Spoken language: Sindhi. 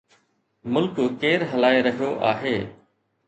ملڪ ڪير هلائي رهيو آهي؟